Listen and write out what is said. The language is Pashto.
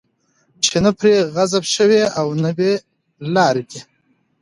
چې نه پرې غضب شوی، او نه بې لاري دي